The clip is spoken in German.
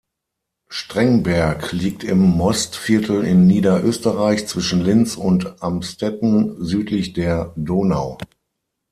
Strengberg liegt im Mostviertel in Niederösterreich zwischen Linz und Amstetten südlich der Donau.